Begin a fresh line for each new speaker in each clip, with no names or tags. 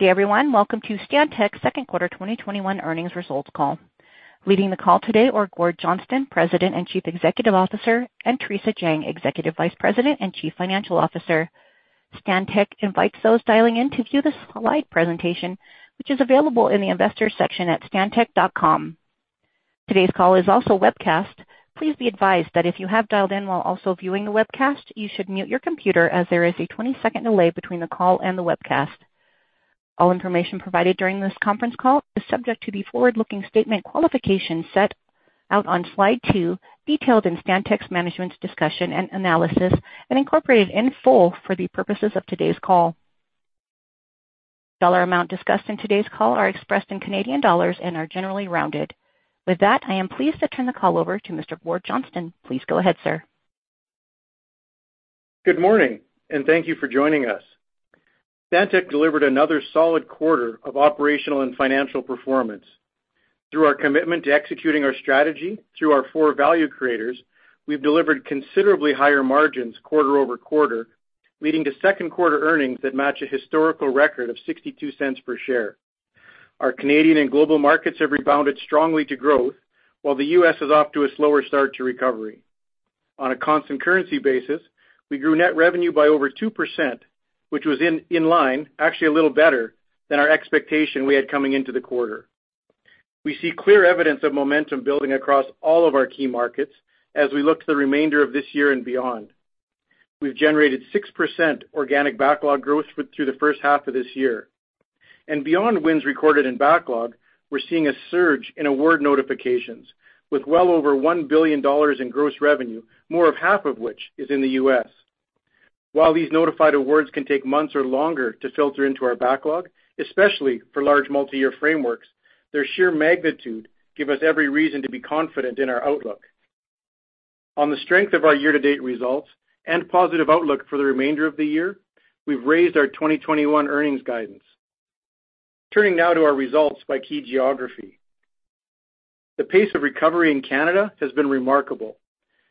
Good day, everyone. Welcome to Stantec's second quarter 2021 earnings results call. Leading the call today are Gord Johnston, President and Chief Executive Officer, and Theresa Jang, Executive Vice President and Chief Financial Officer. Stantec invites those dialing in to view the slide presentation, which is available in the Investors section at stantec.com. Today's call is also webcast. Please be advised that if you have dialed in while also viewing the webcast, you should mute your computer as there is a 20-second delay between the call and the webcast. All information provided during this conference call is subject to the forward-looking statement qualifications set out on slide two, detailed in Stantec's management's discussion and analysis, and incorporated in full for the purposes of today's call. Dollar amount discussed in today's call are expressed in Canadian dollars and are generally rounded. With that, I am pleased to turn the call over to Mr. Gord Johnston. Please go ahead, sir.
Good morning, and thank you for joining us. Stantec delivered another solid quarter of operational and financial performance. Through our commitment to executing our strategy through our four value creators, we've delivered considerably higher margins quarter-over-quarter, leading to second quarter earnings that match a historical record of 0.62 per share. Our Canadian and global markets have rebounded strongly to growth, while the U.S. is off to a slower start to recovery. On a constant currency basis, we grew net revenue by over 2%, which was in line, actually a little better, than our expectation we had coming into the quarter. We see clear evidence of momentum building across all of our key markets as we look to the remainder of this year and beyond. We've generated 6% organic backlog growth through the first half of this year. Beyond wins recorded in backlog, we're seeing a surge in award notifications with well over 1 billion dollars in gross revenue, more of half of which is in the U.S. While these notified awards can take months or longer to filter into our backlog, especially for large multi-year frameworks, their sheer magnitude give us every reason to be confident in our outlook. On the strength of our year-to-date results and positive outlook for the remainder of the year, we've raised our 2021 earnings guidance. Turning now to our results by key geography. The pace of recovery in Canada has been remarkable,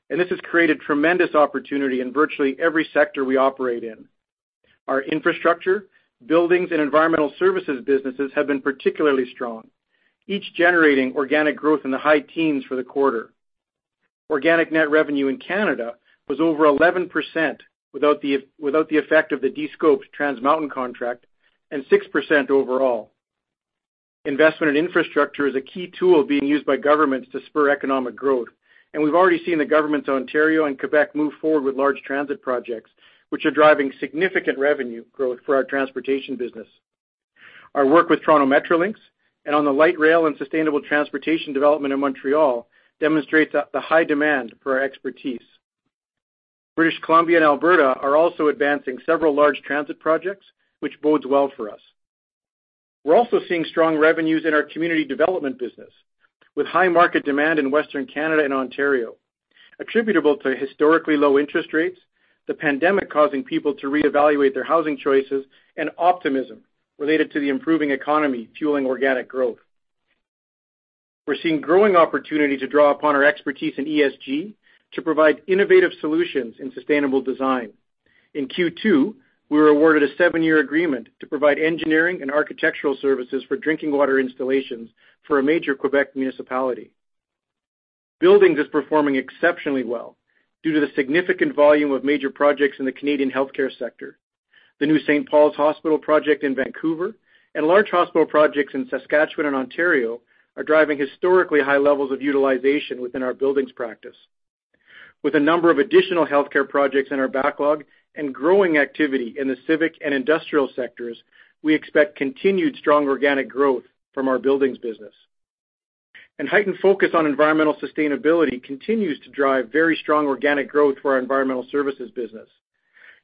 and this has created tremendous opportunity in virtually every sector we operate in. Our infrastructure, buildings, and environmental services businesses have been particularly strong, each generating organic growth in the high teens for the quarter. Organic net revenue in Canada was over 11% without the effect of the de-scoped Trans Mountain contract and 6% overall. Investment in infrastructure is a key tool being used by governments to spur economic growth, and we've already seen the governments of Ontario and Quebec move forward with large transit projects, which are driving significant revenue growth for our transportation business. Our work with Toronto Metrolinx and on the light rail and sustainable transportation development in Montreal demonstrates the high demand for our expertise. British Columbia and Alberta are also advancing several large transit projects, which bodes well for us. We're also seeing strong revenues in our community development business, with high market demand in Western Canada and Ontario, attributable to historically low interest rates, the pandemic causing people to reevaluate their housing choices, and optimism related to the improving economy fueling organic growth. We're seeing growing opportunity to draw upon our expertise in ESG to provide innovative solutions in sustainable design. In Q2, we were awarded a seven year agreement to provide engineering and architectural services for drinking water installations for a major Quebec municipality. Buildings is performing exceptionally well due to the significant volume of major projects in the Canadian healthcare sector. The new St. Paul's Hospital project in Vancouver and large hospital projects in Saskatchewan and Ontario are driving historically high levels of utilization within our buildings practice. With a number of additional healthcare projects in our backlog and growing activity in the civic and industrial sectors, we expect continued strong organic growth from our buildings business. Heightened focus on environmental sustainability continues to drive very strong organic growth for our environmental services business.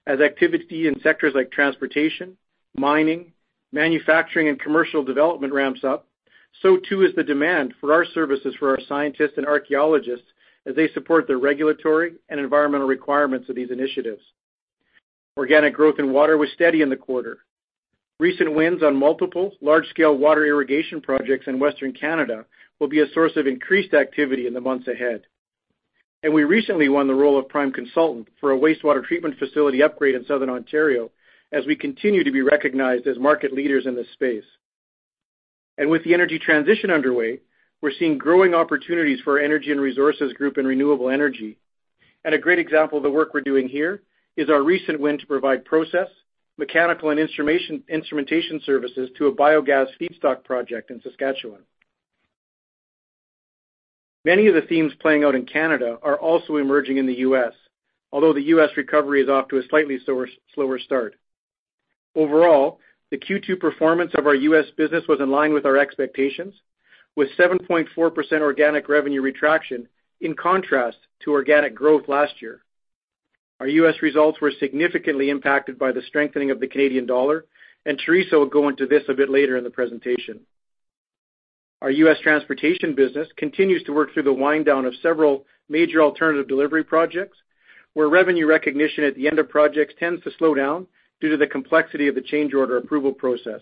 As activity in sectors like transportation, mining, manufacturing, and commercial development ramps up, so too is the demand for our services for our scientists and archaeologists as they support the regulatory and environmental requirements of these initiatives. Organic growth in water was steady in the quarter. Recent wins on multiple large-scale water irrigation projects in Western Canada will be a source of increased activity in the months ahead. We recently won the role of prime consultant for a wastewater treatment facility upgrade in Southern Ontario, as we continue to be recognized as market leaders in this space. With the energy transition underway, we're seeing growing opportunities for our energy and resources group in renewable energy. A great example of the work we're doing here is our recent win to provide process, mechanical, and instrumentation services to a biogas feedstock project in Saskatchewan. Many of the themes playing out in Canada are also emerging in the U.S., although the U.S. recovery is off to a slightly slower start. Overall, the Q2 performance of our U.S. business was in line with our expectations, with 7.4% organic revenue retraction in contrast to organic growth last year. Our U.S. results were significantly impacted by the strengthening of the Canadian dollar, and Theresa Jang will go into this a bit later in the presentation. Our U.S. transportation business continues to work through the wind-down of several major alternative delivery projects, where revenue recognition at the end of projects tends to slow down due to the complexity of the change order approval process.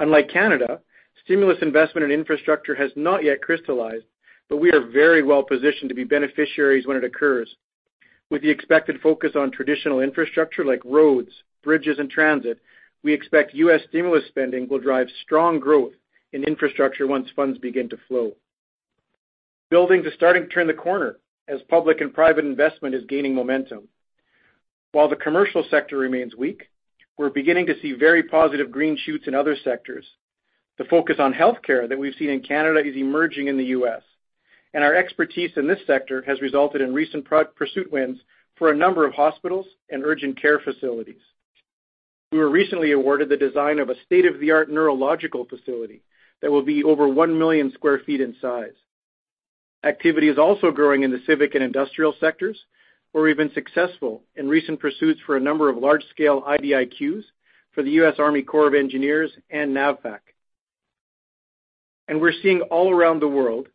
Unlike Canada, stimulus investment in infrastructure has not yet crystallized, but we are very well positioned to be beneficiaries when it occurs. With the expected focus on traditional infrastructure like roads, bridges, and transit, we expect U.S. stimulus spending will drive strong growth in infrastructure once funds begin to flow. Buildings are starting to turn the corner as public and private investment is gaining momentum. While the commercial sector remains weak, we're beginning to see very positive green shoots in other sectors. The focus on healthcare that we've seen in Canada is emerging in the U.S., and our expertise in this sector has resulted in recent pro-pursuit wins for a number of hospitals and urgent care facilities. We were recently awarded the design of a state-of-the-art neurological facility that will be over 1 million sq ft in size. Activity is also growing in the civic and industrial sectors. We've been successful in recent pursuits for a number of large-scale IDIQs for the U.S. Army Corps of Engineers and NAVFAC. We're seeing all around the world,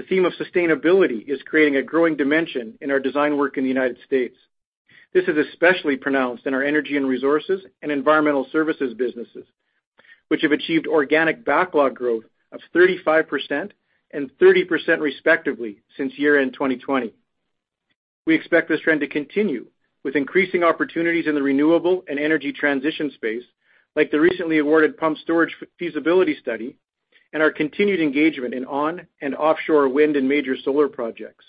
the theme of sustainability is creating a growing dimension in our design work in the U.S. This is especially pronounced in our energy and resources and environmental services businesses, which have achieved organic backlog growth of 35% and 30% respectively since year-end 2020. We expect this trend to continue with increasing opportunities in the renewable and energy transition space, like the recently awarded pumped storage feasibility study and our continued engagement in on and offshore wind and major solar projects.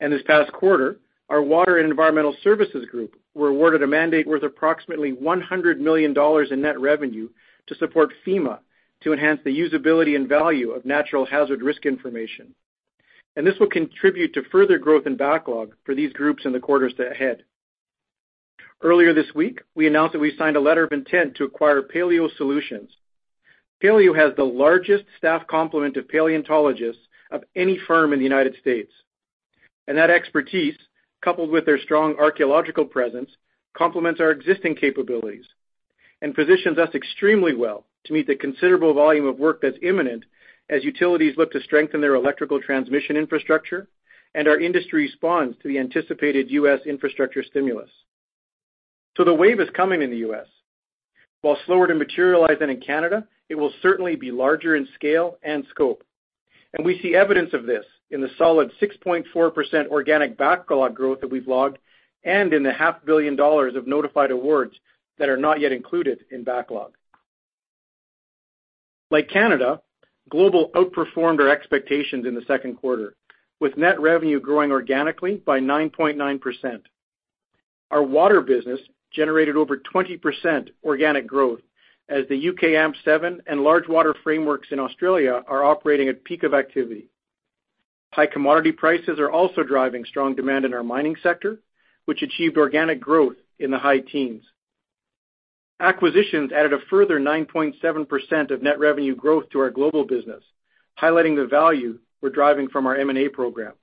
This past quarter, our water and environmental services group were awarded a mandate worth approximately 100 million dollars in net revenue to support FEMA to enhance the usability and value of natural hazard risk information. This will contribute to further growth in backlog for these groups in the quarters to ahead. Earlier this week, we announced that we signed a letter of intent to acquire Paleo Solutions. Paleo has the largest staff complement of paleontologists of any firm in the United States. That expertise, coupled with their strong archaeological presence, complements our existing capabilities and positions us extremely well to meet the considerable volume of work that's imminent as utilities look to strengthen their electrical transmission infrastructure and our industry responds to the anticipated U.S. infrastructure stimulus. The wave is coming in the U.S. Slower to materialize than in Canada, it will certainly be larger in scale and scope. We see evidence of this in the solid 6.4% organic backlog growth that we've logged and in the CAD half billion dollars of notified awards that are not yet included in backlog. Like Canada, global outperformed our expectations in the second quarter, with net revenue growing organically by 9.9%. Our water business generated over 20% organic growth as the U.K. AMP7 and large water frameworks in Australia are operating at peak of activity. High commodity prices are also driving strong demand in our mining sector, which achieved organic growth in the high teens. Acquisitions added a further 9.7% of net revenue growth to our global business, highlighting the value we're driving from our M&A program.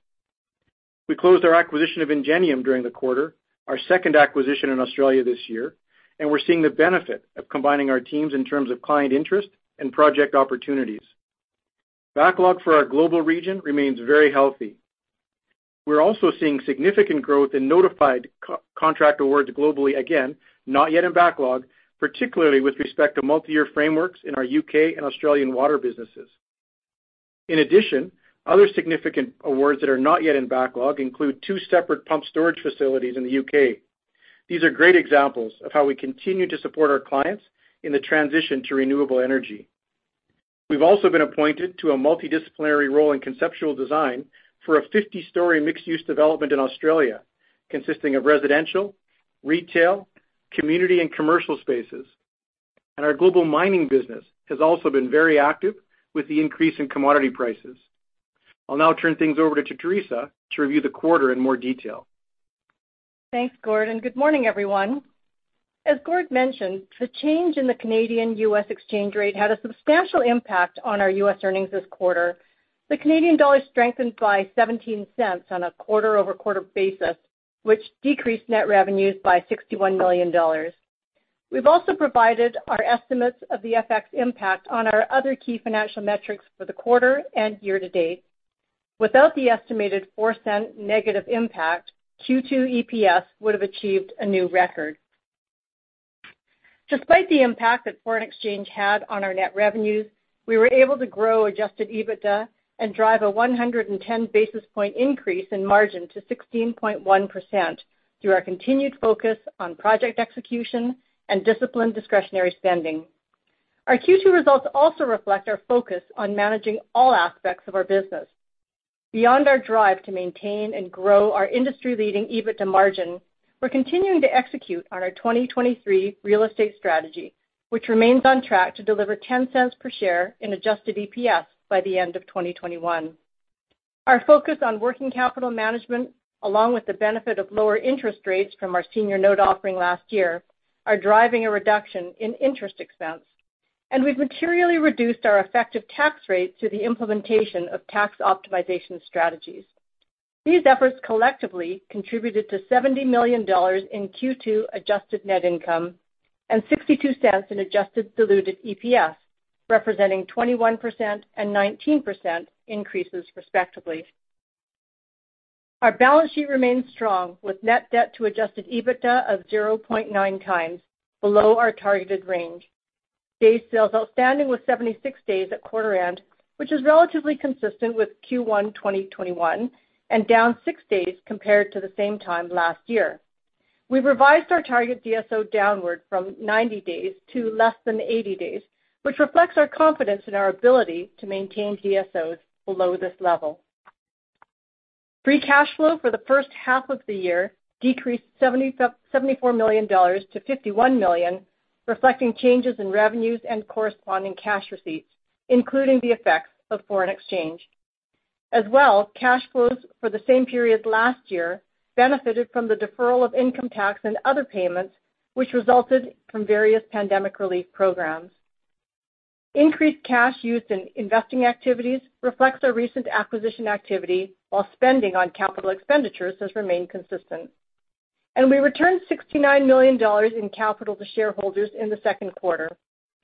We closed our acquisition of Engenium during the quarter, our second acquisition in Australia this year, and we're seeing the benefit of combining our teams in terms of client interest and project opportunities. Backlog for our global region remains very healthy. We're also seeing significant growth in notified co- contract awards globally, again, not yet in backlog, particularly with respect to multi-year frameworks in our U.K. and Australian water businesses. In addition, other significant awards that are not yet in backlog include two separate pump storage facilities in the U.K. These are great examples of how we continue to support our clients in the transition to renewable energy. We've also been appointed to a multidisciplinary role in conceptual design for a 50-story mixed-use development in Australia consisting of residential, retail, community, and commercial spaces. Our global mining business has also been very active with the increase in commodity prices. I'll now turn things over to Theresa to review the quarter in more detail.
Thanks, Gord, and good morning, everyone. As Gord mentioned, the change in the Canadian/U.S. exchange rate had a substantial impact on our U.S. earnings this quarter. The Canadian dollar strengthened by 0.17 on a quarter-over-quarter basis, which decreased net revenues by 61 million dollars. We've also provided our estimates of the FX impact on our other key financial metrics for the quarter and year to date. Without the estimated 0.04 negative impact, Q2 EPS would have achieved a new record. Despite the impact that foreign exchange had on our net revenues, we were able to grow adjusted EBITDA and drive a 110 basis points increase in margin to 16.1% through our continued focus on project execution and disciplined discretionary spending. Our Q2 results also reflect our focus on managing all aspects of our business. Beyond our drive to maintain and grow our industry-leading EBITDA margin, we're continuing to execute on our 2023 real estate strategy, which remains on track to deliver 0.10 per share in adjusted EPS by the end of 2021. Our focus on working capital management, along with the benefit of lower interest rates from our senior note offering last year, are driving a reduction in interest expense, and we've materially reduced our effective tax rate through the implementation of tax optimization strategies. These efforts collectively contributed to 70 million dollars in Q2 adjusted net income and 0.62 in adjusted diluted EPS, representing 21% and 19% increases respectively. Our balance sheet remains strong with net debt to adjusted EBITDA of 0.9x below our targeted range. Days sales outstanding was 76 days at quarter end, which is relatively consistent with Q1 2021 and down six days compared to the same time last year. We revised our target DSO downward from 90 days to less than 80 days, which reflects our confidence in our ability to maintain DSOs below this level. Free cash flow for the first half of the year decreased 74 million-51 million dollars, reflecting changes in revenues and corresponding cash receipts, including the effects of foreign exchange. Cash flows for the same period last year benefited from the deferral of income tax and other payments, which resulted from various pandemic relief programs. Increased cash used in investing activities reflects our recent acquisition activity while spending on capital expenditures has remained consistent. We returned 69 million dollars in capital to shareholders in the second quarter,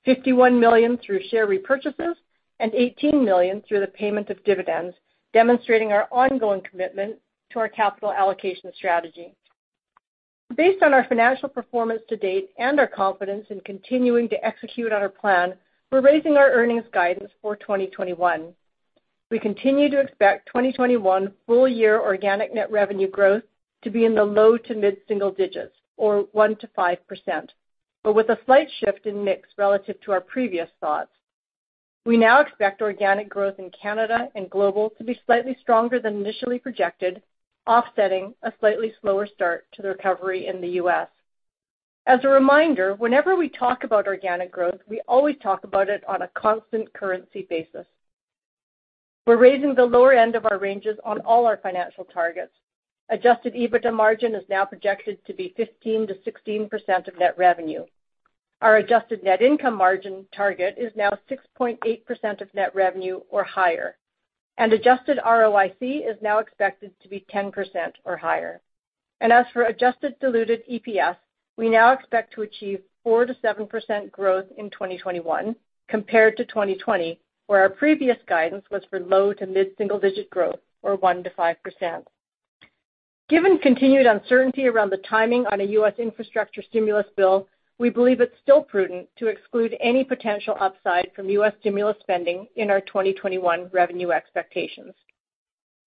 51 million through share repurchases and 18 million through the payment of dividends, demonstrating our ongoing commitment to our capital allocation strategy. Based on our financial performance to date and our confidence in continuing to execute on our plan, we're raising our earnings guidance for 2021. We continue to expect 2021 full year organic net revenue growth to be in the low to mid-single digits or 1%-5%, but with a slight shift in mix relative to our previous thoughts. We now expect organic growth in Canada and global to be slightly stronger than initially projected, offsetting a slightly slower start to the recovery in the U.S. As a reminder, whenever we talk about organic growth, we always talk about it on a constant currency basis. We're raising the lower end of our ranges on all our financial targets. Adjusted EBITDA margin is now projected to be 15%-16% of net revenue. Our adjusted net income margin target is now 6.8% of net revenue or higher, and adjusted ROIC is now expected to be 10% or higher. As for adjusted diluted EPS, we now expect to achieve 4%-7% growth in 2021 compared to 2020, where our previous guidance was for low to mid-single digit growth or 1%-5%. Given continued uncertainty around the timing on a U.S. infrastructure stimulus bill, we believe it's still prudent to exclude any potential upside from U.S. stimulus spending in our 2021 revenue expectations.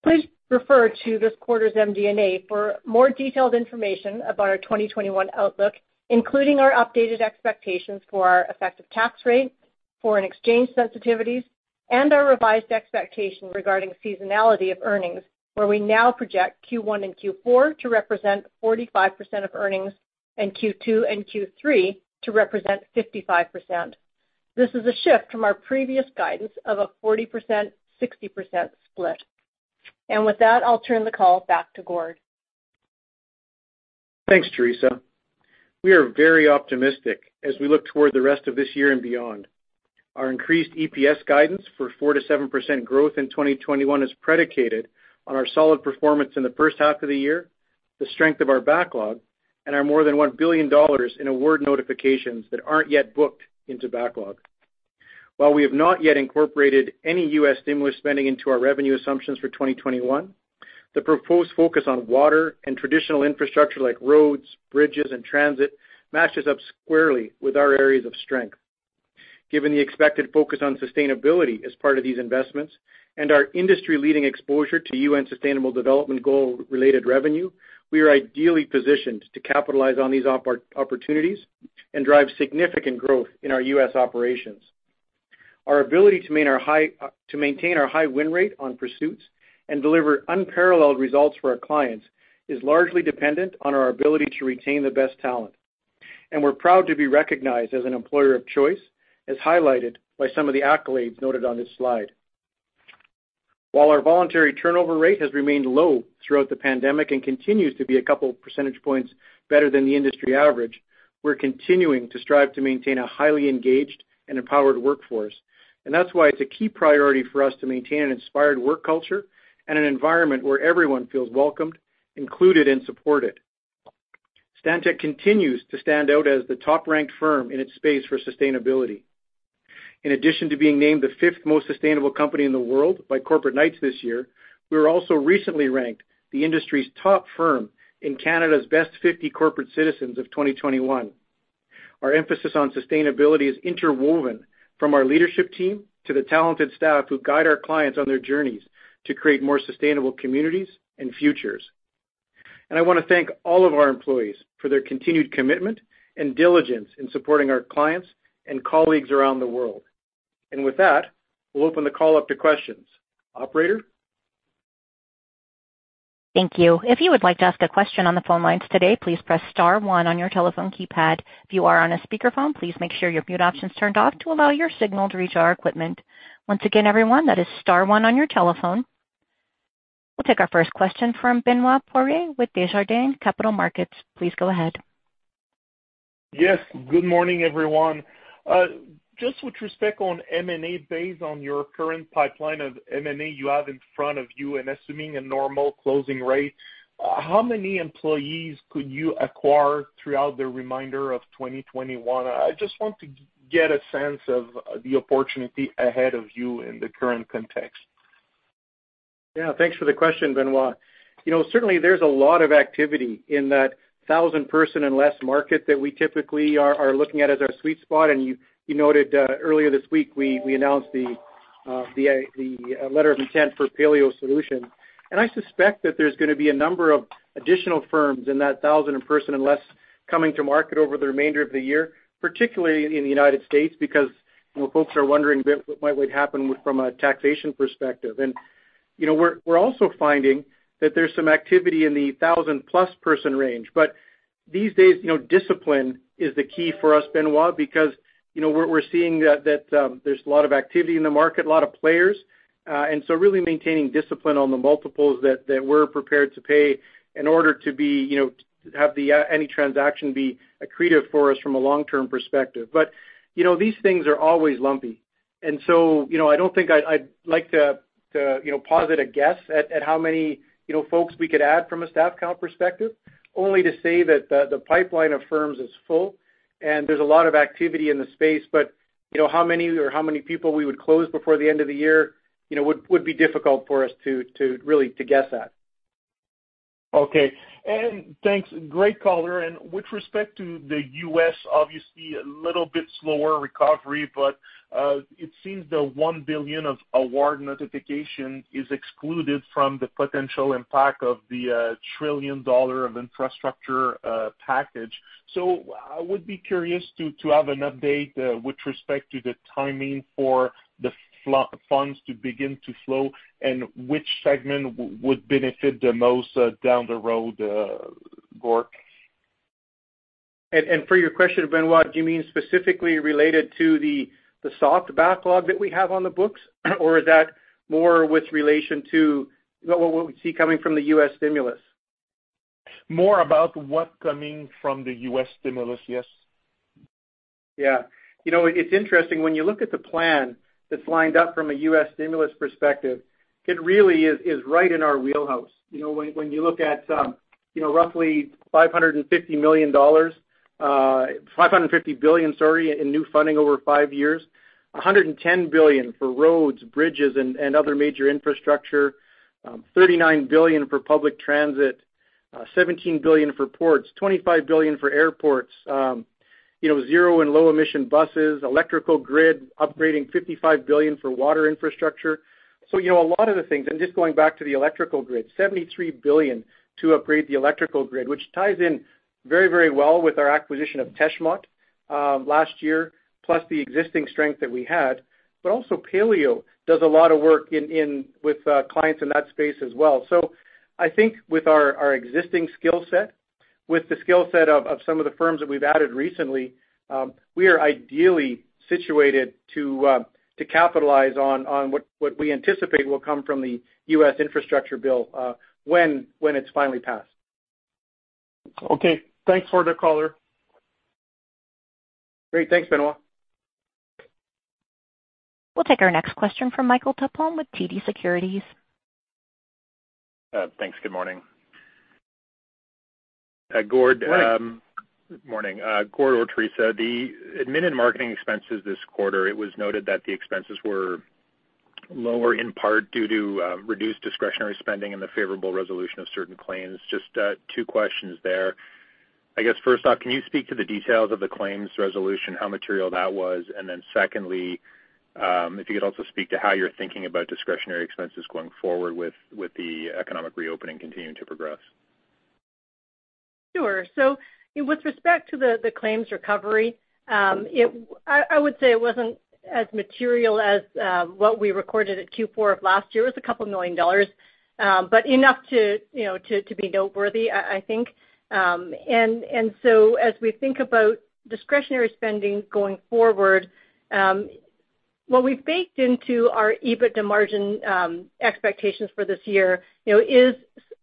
Please refer to this quarter's MD&A for more detailed information about our 2021 outlook, including our updated expectations for our effective tax rate, foreign exchange sensitivities, and our revised expectations regarding seasonality of earnings, where we now project Q1 and Q4 to represent 45% of earnings and Q2 and Q3 to represent 55%. This is a shift from our previous guidance of a 40%/60% split. With that, I'll turn the call back to Gord.
Thanks, Theresa. We are very optimistic as we look toward the rest of this year and beyond. Our increased EPS guidance for 4%-7% growth in 2021 is predicated on our solid performance in the first half of the year, the strength of our backlog, and our more than 1 billion dollars in award notifications that aren't yet booked into backlog. While we have not yet incorporated any U.S. stimulus spending into our revenue assumptions for 2021, the proposed focus on water and traditional infrastructure like roads, bridges, and transit matches up squarely with our areas of strength. Given the expected focus on sustainability as part of these investments and our industry-leading exposure to UN Sustainable Development Goals related revenue, we are ideally positioned to capitalize on these opportunities and drive significant growth in our U.S. operations. Our ability to maintain our high win rate on pursuits and deliver unparalleled results for our clients is largely dependent on our ability to retain the best talent. We're proud to be recognized as an employer of choice, as highlighted by some of the accolades noted on this slide. While our voluntary turnover rate has remained low throughout the pandemic and continues to be 2 percentage points better than the industry average, we're continuing to strive to maintain a highly engaged and empowered workforce. That's why it's a key priority for us to maintain an inspired work culture and an environment where everyone feels welcomed, included, and supported. Stantec continues to stand out as the top-ranked firm in its space for sustainability. In addition to being named the fifth most sustainable company in the world by Corporate Knights this year, we were also recently ranked the industry's top firm in Canada's Best 50 Corporate Citizens of 2021. Our emphasis on sustainability is interwoven from our leadership team to the talented staff who guide our clients on their journeys to create more sustainable communities and futures. I want to thank all of our employees for their continued commitment and diligence in supporting our clients and colleagues around the world. With that, we'll open the call up to questions. Operator?
Thank you. If you would like to ask a question on the phone lines today, please press star one on your telephone keypad. If you are on a speakerphone, please make sure your mute option is turned off to allow your signal to reach our equipment. Once again, everyone, that is star one on your telephone. We'll take our first question from Benoit Poirier with Desjardins Capital Markets. Please go ahead.
Yes. Good morning, everyone. Just with respect on M&A based on your current pipeline of M&A you have in front of you and assuming a normal closing rate. How many employees could you acquire throughout the remainder of 2021? I just want to get a sense of the opportunity ahead of you in the current context.
Thanks for the question, Benoit. Certainly, there's a lot of activity in that 1,000-person and less market that we typically are looking at as our sweet spot. You noted earlier this week we announced the letter of intent for Paleo Solutions. I suspect that there's going to be a number of additional firms in that 1,000-person and less coming to market over the remainder of the year, particularly in the U.S., because folks are wondering what might happen from a taxation perspective. We're also finding that there's some activity in the 1,000-plus-person range. These days, discipline is the key for us, Benoit, because we're seeing that there's a lot of activity in the market, a lot of players. Really maintaining discipline on the multiples that we're prepared to pay in order to have any transaction be accretive for us from a long-term perspective. These things are always lumpy. I don't think I'd like to posit a guess at how many folks we could add from a staff count perspective. Only to say that the pipeline of firms is full and there's a lot of activity in the space. How many or how many people we would close before the end of the year would be difficult for us really to guess at.
Okay. Thanks. Great color. With respect to the U.S., obviously a little bit slower recovery, but it seems the 1 billion of award notification is excluded from the potential impact of the trillion dollar of infrastructure package. I would be curious to have an update with respect to the timing for the funds to begin to flow, and which segment would benefit the most down the road, Gord.
For your question, Benoit, do you mean specifically related to the soft backlog that we have on the books? Is that more with relation to what we see coming from the U.S. stimulus?
More about what coming from the U.S. stimulus, yes.
Yeah. It's interesting, when you look at the plan that's lined up from a U.S. stimulus perspective, it really is right in our wheelhouse. When you look at roughly 550 billion dollars in new funding over five years, 110 billion for roads, bridges, and other major infrastructure, 39 billion for public transit, 17 billion for ports, 25 billion for airports, zero and low emission buses, electrical grid upgrading, 55 billion for water infrastructure. A lot of the things, and just going back to the electrical grid, 73 billion to upgrade the electrical grid, which ties in very well with our acquisition of Tesmart last year, plus the existing strength that we had. Also Paleo does a lot of work with clients in that space as well. I think with our existing skill set, with the skill set of some of the firms that we've added recently, we are ideally situated to capitalize on what we anticipate will come from the U.S. infrastructure bill when it's finally passed.
Okay. Thanks for the color.
Great. Thanks, Benoit.
We'll take our next question from Michael Tupholme with TD Securities.
Thanks. Good morning.
Morning.
Morning. Gord or Theresa, the admin and marketing expenses this quarter, it was noted that the expenses were lower in part due to reduced discretionary spending and the favorable resolution of certain claims. Just two questions there. I guess first off, can you speak to the details of the claims resolution, how material that was? Secondly, if you could also speak to how you're thinking about discretionary expenses going forward with the economic reopening continuing to progress.
Sure. With respect to the claims recovery, I would say it wasn't as material as what we recorded at Q4 of last year. It was a couple million CAD. Enough to be noteworthy, I think. As we think about discretionary spending going forward, what we've baked into our EBITDA margin expectations for this year is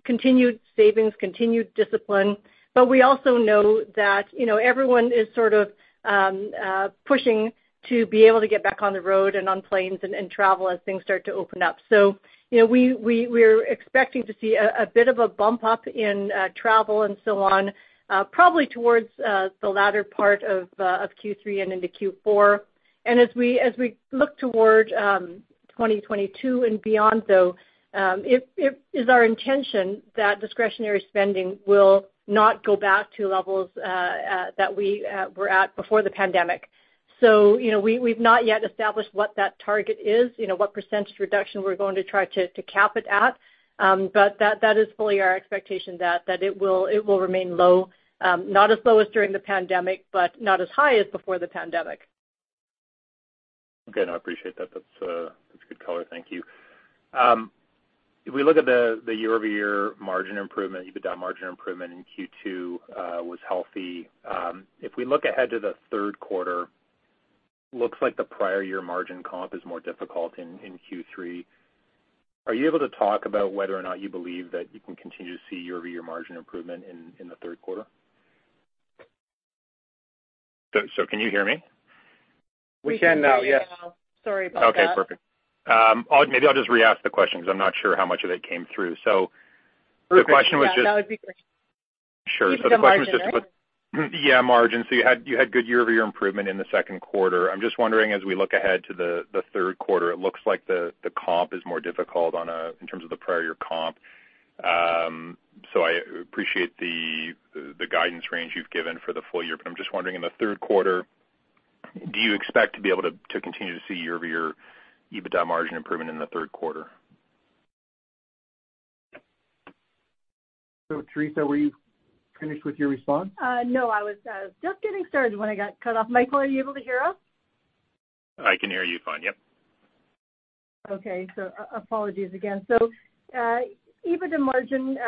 continued savings, continued discipline. We also know that everyone is sort of pushing to be able to get back on the road and on planes and travel as things start to open up. We're expecting to see a bit of a bump up in travel and so on probably towards the latter part of Q3 and into Q4. As we look toward 2022 and beyond, though, it is our intention that discretionary spending will not go back to levels that we were at before the pandemic. We've not yet established what that target is, what % reduction we're going to try to cap it at. That is fully our expectation that it will remain low. Not as low as during the pandemic, but not as high as before the pandemic.
Okay. No, I appreciate that. That's a good color. Thank you. If we look at the year-over-year margin improvement, EBITDA margin improvement in Q2 was healthy. If we look ahead to the third quarter, looks like the prior year margin comp is more difficult in Q3. Are you able to talk about whether or not you believe that you can continue to see year-over-year margin improvement in the third quarter? Can you hear me?
We can now, yes.
We can hear you now. Sorry about that.
Okay, perfect. Maybe I'll just re-ask the question because I'm not sure how much of it came through.
Yeah, that would be great.
Sure. The question was just about.
You said the margin, right?
Yeah, margin. You had good year-over-year improvement in the second quarter. I'm just wondering, as we look ahead to the third quarter, it looks like the comp is more difficult in terms of the prior year comp. I appreciate the guidance range you've given for the full year, but I'm just wondering, in the third quarter, do you expect to be able to continue to see year-over-year EBITDA margin improvement in the third quarter?
Theresa, were you finished with your response?
No, I was just getting started when I got cut off. Michael, are you able to hear us?
I can hear you fine, yep.
Apologies again. EBITDA margin,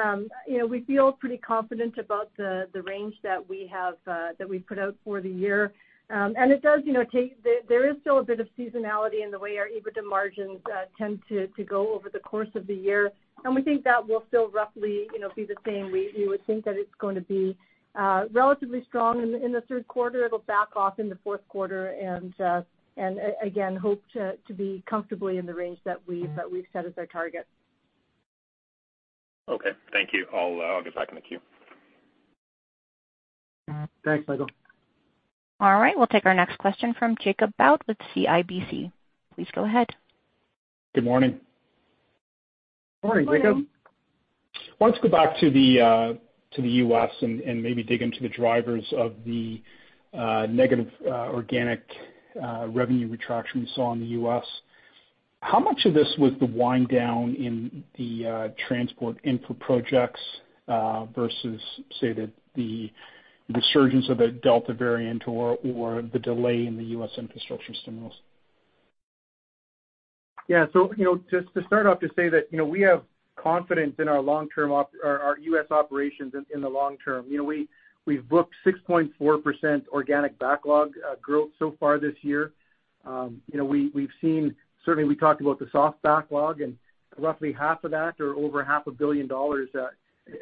we feel pretty confident about the range that we put out for the year. There is still a bit of seasonality in the way our EBITDA margins tend to go over the course of the year, we think that will still roughly be the same. We would think that it's going to be relatively strong in the third quarter. It'll back off in the fourth quarter, again, hope to be comfortably in the range that we've set as our target.
Okay, thank you. I'll get back in the queue.
Thanks, Michael.
All right. We'll take our next question from Jacob Bout with CIBC. Please go ahead.
Good morning.
Morning, Jacob.
Morning.
I wanted to go back to the U.S. and maybe dig into the drivers of the negative organic revenue retraction we saw in the U.S. How much of this was the wind down in the transport infra projects versus, say, the resurgence of the Delta variant or the delay in the U.S. infrastructure stimulus?
Just to start off to say that we have confidence in our U.S. operations in the long term. We've booked 6.4% organic backlog growth so far this year. We talked about the soft backlog and roughly half of that, or over half a billion CAD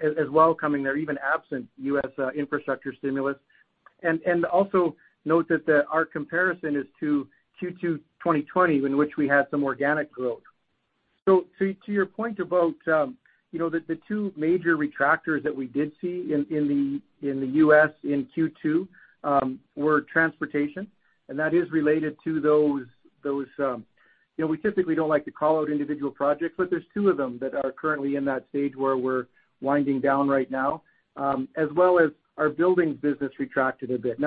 as well coming there, even absent U.S. infrastructure stimulus. Also note that our comparison is to Q2 2020, in which we had some organic growth. To your point about the two major retractors that we did see in the U.S. in Q2 were transportation, and that is related to We typically don't like to call out individual projects, but there's two of them that are currently in that stage where we're winding down right now, as well as our buildings business retracted a bit.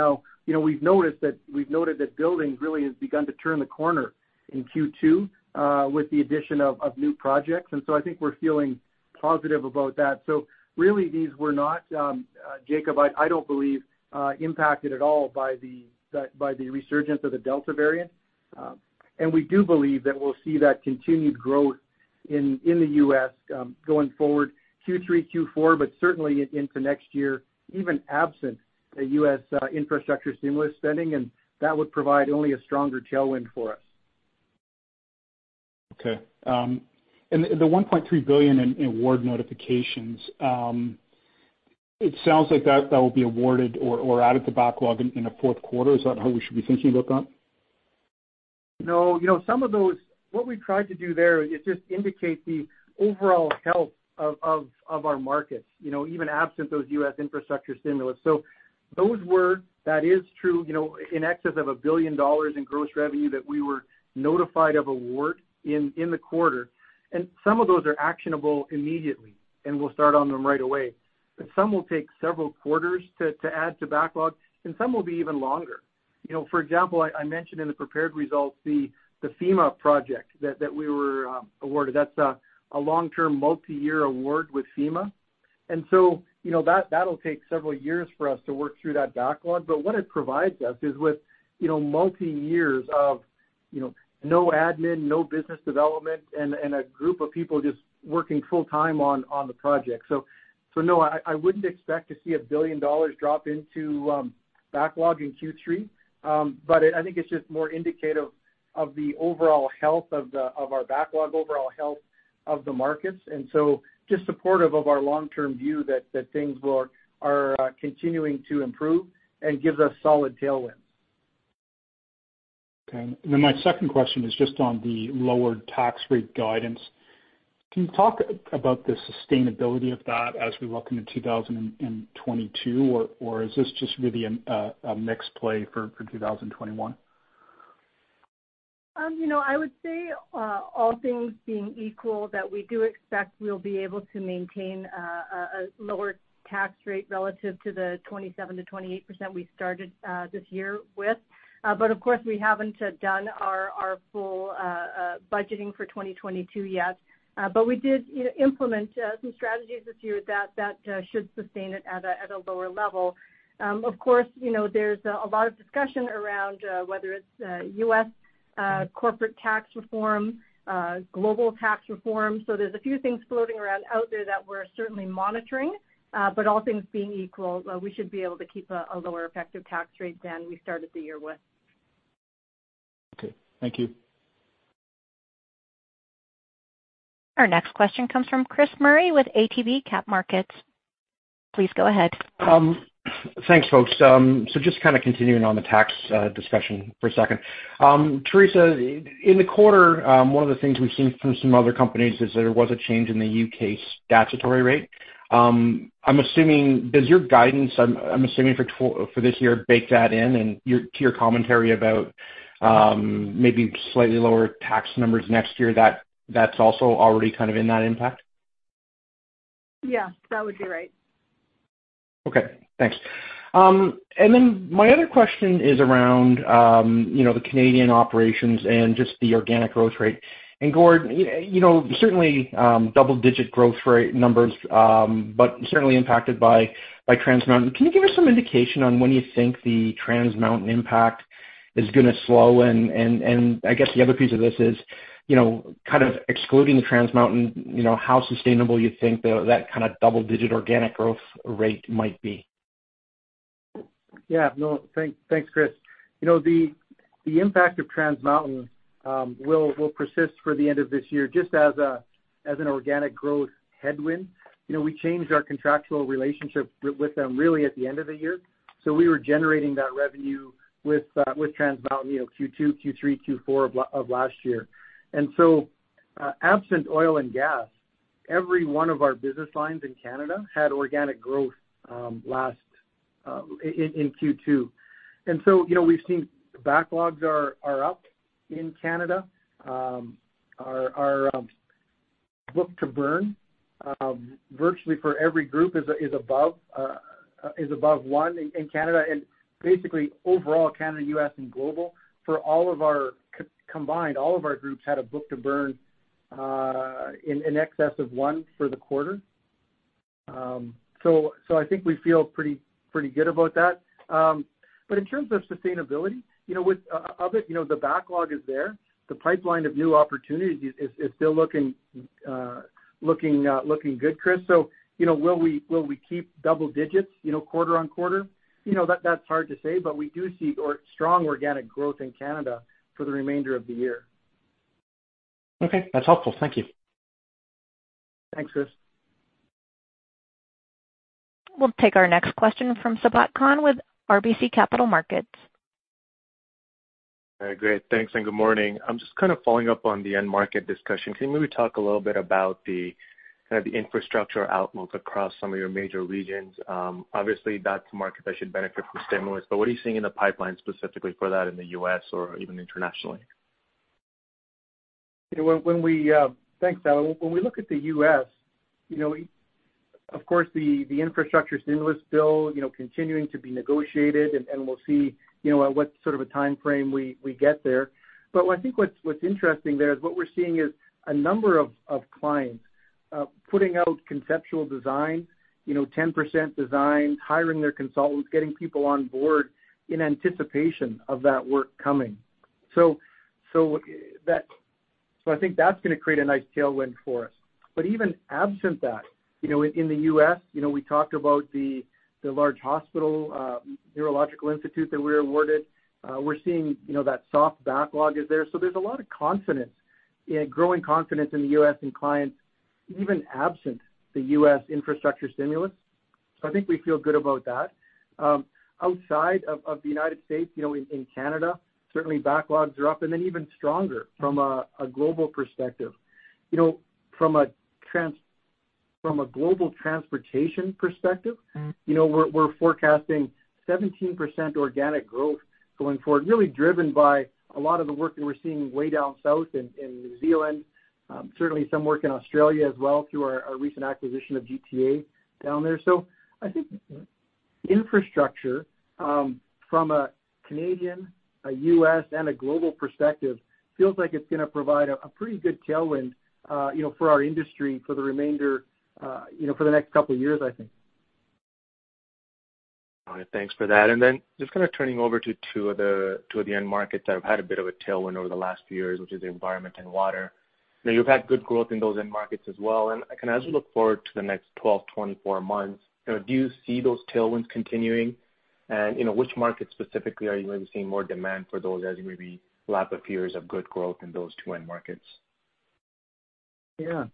We've noted that buildings really has begun to turn the corner in Q2 with the addition of new projects, I think we're feeling positive about that. Really, these were not, Jacob, I don't believe impacted at all by the resurgence of the Delta variant. We do believe that we'll see that continued growth in the U.S. going forward Q3, Q4, but certainly into next year, even absent a U.S. infrastructure stimulus spending, that would provide only a stronger tailwind for us.
Okay. The 1.3 billion in award notifications, it sounds like that will be awarded or out at the backlog in the fourth quarter. Is that how we should be thinking about that?
No. What we tried to do there is just indicate the overall health of our markets even absent those U.S. infrastructure stimulus. That is true in excess of 1 billion dollars in gross revenue that we were notified of award in the quarter. Some of those are actionable immediately, and we'll start on them right away. Some will take several quarters to add to backlog, and some will be even longer. For example, I mentioned in the prepared results the FEMA project that we were awarded. That's a long-term, multi-year award with FEMA, that'll take several years for us to work through that backlog. What it provides us is with multi-years of no admin, no business development, and a group of people just working full time on the project. No, I wouldn't expect to see 1 billion dollars drop into backlog in Q3. I think it's just more indicative of the overall health of our backlog, overall health of the markets, and so just supportive of our long-term view that things are continuing to improve and gives us solid tailwinds.
Okay. My second question is just on the lower tax rate guidance. Can you talk about the sustainability of that as we look into 2022, or is this just really a mix play for 2021?
I would say, all things being equal, that we do expect we'll be able to maintain a lower tax rate relative to the 27%-28% we started this year with. Of course, we haven't done our full budgeting for 2022 yet. We did implement some strategies this year that should sustain it at a lower level. Of course, there's a lot of discussion around whether it's U.S. corporate tax reform, global tax reform. There's a few things floating around out there that we're certainly monitoring. All things being equal, we should be able to keep a lower effective tax rate than we started the year with.
Okay. Thank you.
Our next question comes from Chris Murray with ATB Capital Markets. Please go ahead.
Thanks, folks. Just kind of continuing on the tax discussion for a second. Theresa, in the quarter, one of the things we've seen from some other companies is that there was a change in the U.K. statutory rate. Does your guidance, I'm assuming, for this year bake that in and to your commentary about maybe slightly lower tax numbers next year, that's also already kind of in that impact?
Yeah, that would be right.
Okay, thanks. My other question is around the Canadian operations and just the organic growth rate. Gord, certainly, double-digit growth rate numbers, but certainly impacted by Trans Mountain. Can you give us some indication on when you think the Trans Mountain impact is going to slow? I guess the other piece of this is kind of excluding the Trans Mountain, how sustainable you think that kind of double-digit organic growth rate might be.
No, thanks, Chris. The impact of Trans Mountain will persist for the end of this year, just as an organic growth headwind. We changed our contractual relationship with them really at the end of the year. We were generating that revenue with Trans Mountain Q2, Q3, Q4 of last year. Absent oil and gas, every one of our business lines in Canada had organic growth in Q2. We've seen backlogs are up in Canada. Our book to burn virtually for every group is above one in Canada and overall Canada, U.S., and global, combined all of our groups had a book to burn in excess of one for the quarter. I think we feel pretty good about that. In terms of sustainability, with of it, the backlog is there. The pipeline of new opportunities is still looking good, Chris. Will we keep double digits quarter on quarter? That's hard to say, but we do see strong organic growth in Canada for the remainder of the year.
Okay. That's helpful. Thank you.
Thanks, Chris.
We'll take our next question from Sabahat Khan with RBC Capital Markets.
Great. Thanks, and good morning. I'm just kind of following up on the end market discussion. Can you maybe talk a little bit about the kind of the infrastructure outlook across some of your major regions? Obviously, that's a market that should benefit from stimulus, but what are you seeing in the pipeline specifically for that in the U.S. or even internationally?
Thanks, Sabahabak. When we look at the U.S., of course, the infrastructure stimulus bill continuing to be negotiated, and we'll see what sort of a timeframe we get there. I think what's interesting there is what we're seeing is a number of clients putting out conceptual designs, 10% designs, hiring their consultants, getting people on board in anticipation of that work coming. I think that's going to create a nice tailwind for us. Even absent that, in the U.S., we talked about the large hospital neurological institute that we were awarded. We're seeing that soft backlog is there. There's a lot of growing confidence in the U.S. and clients, even absent the U.S. infrastructure stimulus. I think we feel good about that. Outside of the United States, in Canada, certainly backlogs are up and then even stronger from a global perspective. From a global transportation perspective, we're forecasting 17% organic growth going forward, really driven by a lot of the work that we're seeing way down south in New Zealand. Certainly some work in Australia as well through our recent acquisition of GTA down there. I think infrastructure from a Canadian, a U.S., and a global perspective feels like it's going to provide a pretty good tailwind for our industry for the next couple of years, I think.
All right. Thanks for that. Just kind of turning over to two of the end markets that have had a bit of a tailwind over the last few years, which is the environment and water. You've had good growth in those end markets as well, and as you look forward to the next 12, 24 months, do you see those tailwinds continuing? Which markets specifically are you maybe seeing more demand for those as you maybe lap the peers of good growth in those two end markets?
Yeah.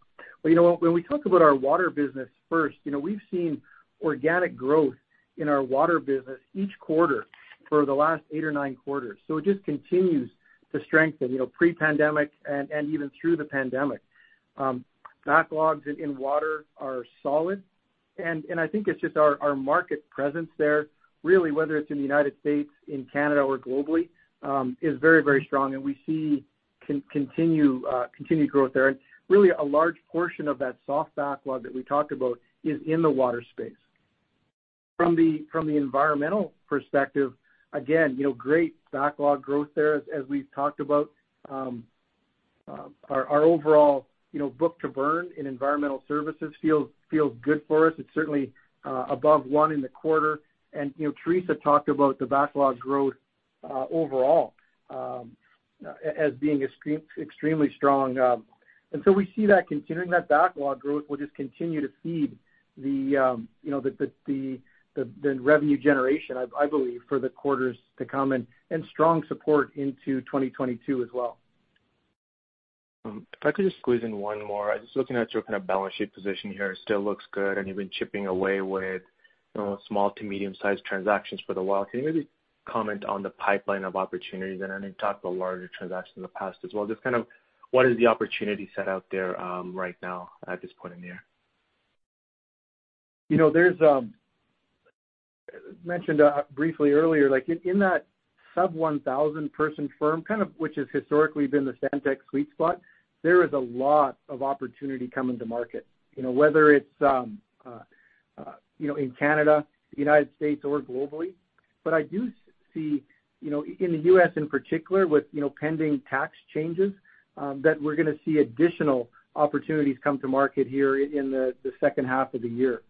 Well, when we talk about our water business first, we've seen organic growth in our water business each quarter for the last ight or nine quarters. It just continues to strengthen pre-pandemic and even through the pandemic. Backlogs in water are solid, and I think it's just our market presence there, really, whether it's in the United States, in Canada or globally, is very strong, and we see continued growth there. Really a large portion of that soft backlog that we talked about is in the water space. From the environmental perspective, again, great backlog growth there as we've talked about. Our overall book to burn in environmental services feels good for us. It's certainly above 1 in the quarter. Theresa talked about the backlog growth overall as being extremely strong. We see that continuing. That backlog growth will just continue to feed the revenue generation, I believe, for the quarters to come and strong support into 2022 as well.
If I could just squeeze in one more. I was just looking at your kind of balance sheet position here. It still looks good, and you've been chipping away with small to medium-sized transactions for the while. Can you maybe comment on the pipeline of opportunities? I know you've talked about larger transactions in the past as well, just kind of what is the opportunity set out there right now at this point in the year?
Mentioned briefly earlier, like in that sub-1,000-person firm, which has historically been the Stantec sweet spot, there is a lot of opportunity coming to market. Whether it's in Canada, the U.S., or globally. I do see, in the U.S. in particular with pending tax changes, that we're going to see additional opportunities come to market here in the second half of the year.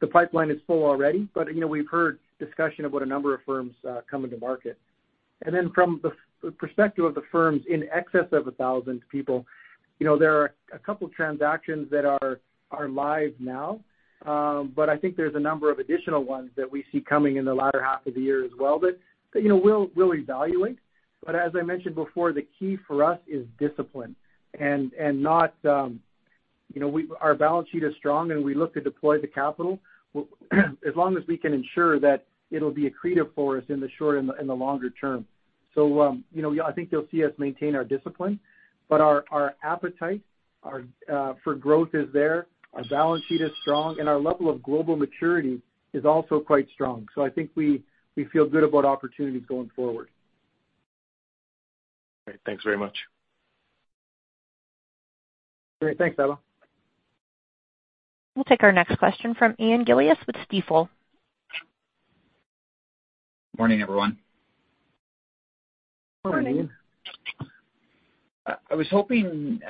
The pipeline is full already, we've heard discussion about a number of firms coming to market. From the perspective of the firms in excess of 1,000 people, there are 2 transactions that are live now. I think there's a number of additional ones that we see coming in the latter half of the year as well that we'll evaluate. As I mentioned before, the key for us is discipline. Our balance sheet is strong, and we look to deploy the capital as long as we can ensure that it'll be accretive for us in the short and the longer term. I think you'll see us maintain our discipline, but our appetite for growth is there. Our balance sheet is strong, and our level of global maturity is also quite strong. I think we feel good about opportunities going forward.
Great. Thanks very much.
Great. Thanks, Abel.
We'll take our next question from Ian Gillies with Stifel.
Morning, everyone.
Morning. Morning.
I was hoping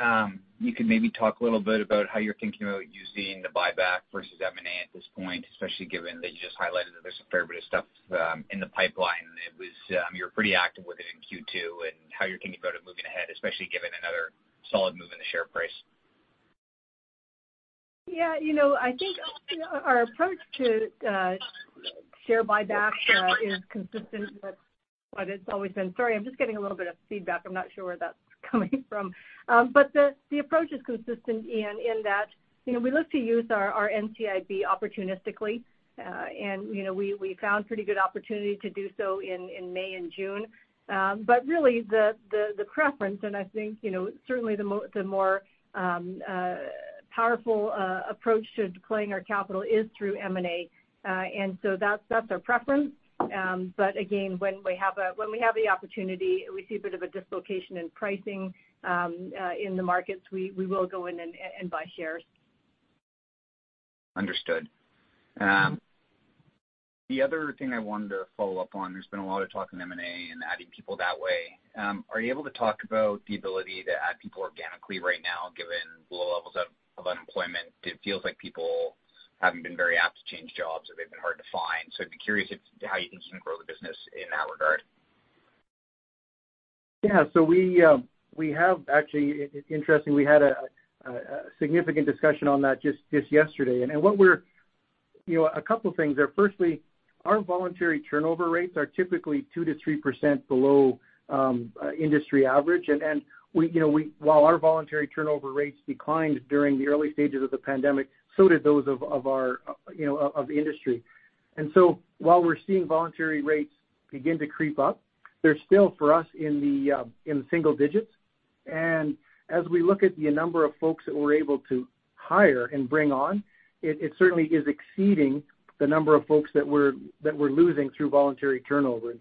you could maybe talk a little bit about how you're thinking about using the buyback versus M&A at this point, especially given that you just highlighted that there's a fair bit of stuff in the pipeline. You were pretty active with it in Q2, and how you're thinking about it moving ahead, especially given another solid move in the share price.
Yeah. I think our approach to share buybacks is consistent with what it's always been. Sorry, I'm just getting a little bit of feedback. I'm not sure where that's coming from. The approach is consistent, Ian, in that we look to use our NCIB opportunistically. We found pretty good opportunity to do so in May and June. Really the preference, and I think certainly the more powerful approach to deploying our capital is through M&A. That's our preference. Again, when we have the opportunity, we see a bit of a dislocation in pricing in the markets, we will go in and buy shares.
Understood. The other thing I wanted to follow up on, there's been a lot of talk in M&A and adding people that way. Are you able to talk about the ability to add people organically right now, given low levels of unemployment? It feels like people haven't been very apt to change jobs, or they've been hard to find. I'd be curious how you can grow the business in that regard.
Yeah. It's interesting, we had a significant discussion on that just yesterday. A couple things there. Firstly, our voluntary turnover rates are typically 2%-3% below industry average. While our voluntary turnover rates declined during the early stages of the pandemic, so did those of the industry. While we're seeing voluntary rates begin to creep up, they're still for us in the single digits. As we look at the number of folks that we're able to hire and bring on, it certainly is exceeding the number of folks that we're losing through voluntary turnover.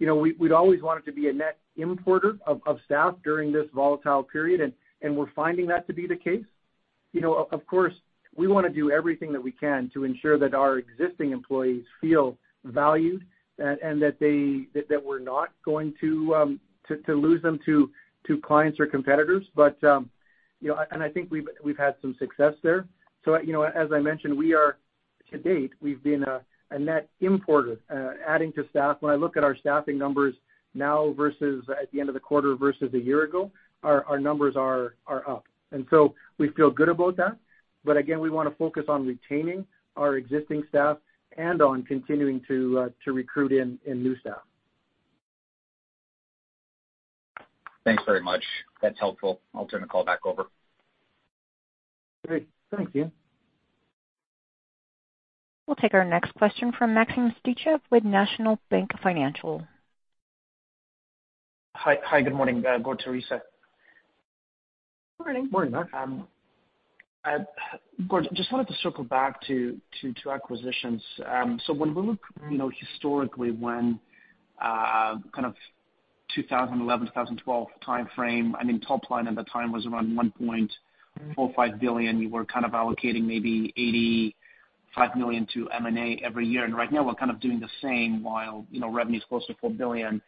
We'd always wanted to be a net importer of staff during this volatile period, and we're finding that to be the case. Of course, we want to do everything that we can to ensure that our existing employees feel valued and that we're not going to lose them to clients or competitors. I think we've had some success there. As I mentioned, to date, we've been a net importer, adding to staff. When I look at our staffing numbers now versus at the end of the quarter versus a year ago, our numbers are up. We feel good about that. Again, we want to focus on retaining our existing staff and on continuing to recruit in new staff.
Thanks very much. That's helpful. I'll turn the call back over.
Great. Thanks, Ian.
We'll take our next question from Maxim Sytchev with National Bank Financial.
Hi, good morning. Go, Theresa.
Morning.
Morning, Max.
Gord, just wanted to circle back to acquisitions. When we look historically when 2011, 2012 timeframe, top line at the time was around 1.45 billion. You were allocating maybe 85 million to M&A every year. Right now we're doing the same while revenue's closer to 4 billion.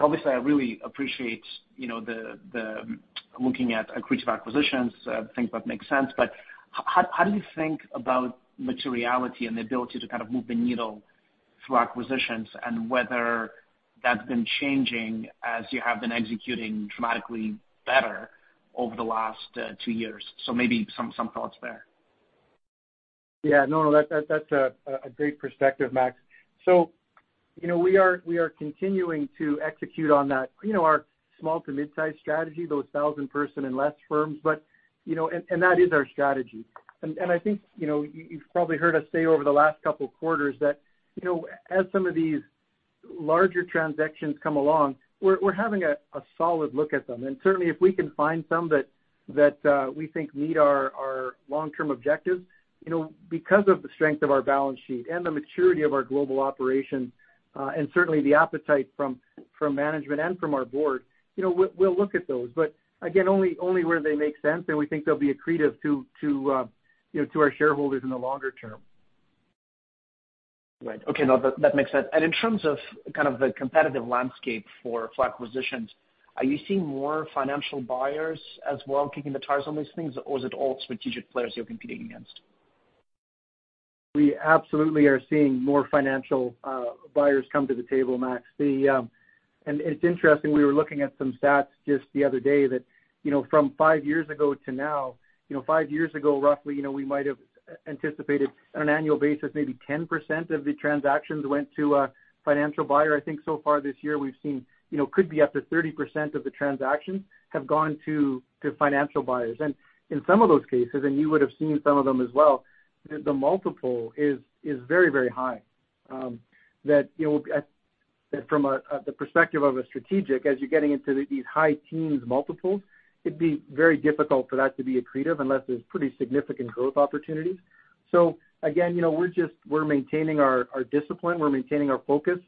Obviously, I really appreciate looking at accretive acquisitions. I think that makes sense. How do you think about materiality and the ability to move the needle through acquisitions and whether that's been changing as you have been executing dramatically better over the last two years? Maybe some thoughts there.
No, that's a great perspective, Max. We are continuing to execute on that, our small- to mid-size strategy, those 1,000-person and less firms, and that is our strategy. I think you've probably heard us say over the last two quarters that as some of these larger transactions come along, we're having a solid look at them. Certainly, if we can find some that we think meet our long-term objectives, because of the strength of our balance sheet and the maturity of our global operations, and certainly the appetite from management and from our board, we'll look at those. Again, only where they make sense and we think they'll be accretive to our shareholders in the longer term.
Right. Okay. No, that makes sense. In terms of kind of the competitive landscape for acquisitions, are you seeing more financial buyers as well kicking the tires on these things, or is it all strategic players you're competing against?
We absolutely are seeing more financial buyers come to the table, Max. It's interesting, we were looking at some stats just the other day that from five years ago to now, five years ago, roughly, we might have anticipated on an annual basis maybe 10% of the transactions went to a financial buyer. I think so far this year we've seen could be up to 30% of the transactions have gone to financial buyers. In some of those cases, and you would've seen some of them as well, the multiple is very, very high. That from the perspective of a strategic, as you're getting into these high teens multiples, it'd be very difficult for that to be accretive unless there's pretty significant growth opportunities. Again, we're maintaining our discipline, we're maintaining our focus.